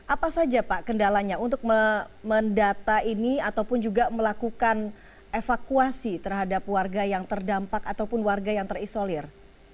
apa saja pak kendalanya untuk mendata ini ataupun juga melakukan evakuasi terhadap warga yang terdampak ataupun warga yang terisolir